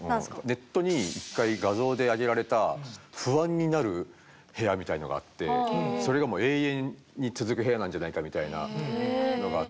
ネットに画像で上げられた不安になる部屋みたいのがあってそれが永遠に続く部屋なんじゃないかみたいなのがあって。